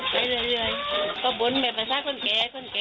ไปเรื่อยก็บุญไปประชาคนเก๋คนเก๋